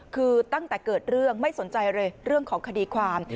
คือตั้งแต่เกิดเรื่องไม่สนใจเลยเรื่องของคดีความ